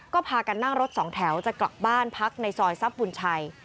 ก็พากันนั่งรถสองแถวจะกลับบ้านพักในซอยทรัพย์บุญชัย